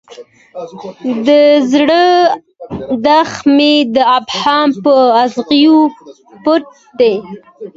د زړه دښت مې د ابهام په اغزیو پټ دی.